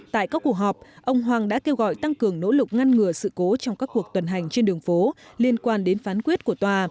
tại các cuộc họp ông hoàng đã kêu gọi tăng cường nỗ lực ngăn ngừa sự cố trong các cuộc tuần hành trên đường phố liên quan đến phán quyết của tòa